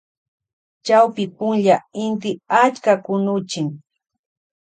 Chawpy punlla inti achka kunuchin.